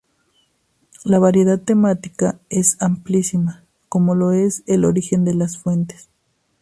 La variedad temática es amplísima, como lo es el origen de las fuentes.